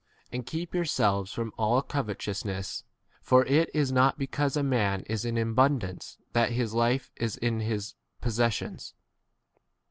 and keep yourselves from alii co vetousness, for [it is] not because a man is in abundance [that] his 16 life is in his possessions.